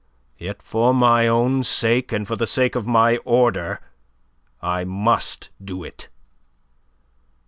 Yet for my own sake and the sake of my order I must do it.